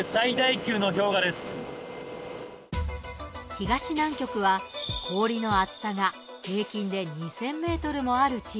東南極は氷の厚さが平均で２０００ｍもある地域です。